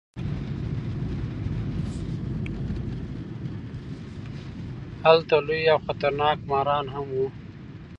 هلته لوی او خطرناک ماران هم وو.